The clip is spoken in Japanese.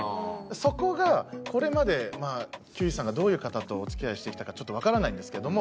そこがこれまで休井さんがどういう方とお付き合いしてきたかちょっとわからないんですけども。